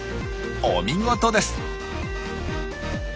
お見事です！